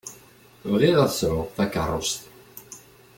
Bɣiɣ ad sɛuɣ takeṛṛust.